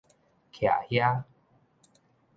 徛遐